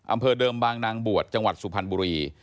อำเภอเดิมบางนางบวชจังหวัดสุพรรณบุรี